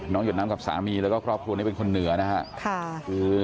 น้องหยดน้ำกับสามีและพร้อมโครตเป็นคนเหนือ